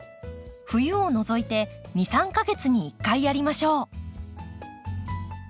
冬を除いて２３か月に１回やりましょう。